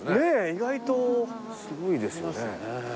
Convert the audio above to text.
意外とすごいですよね。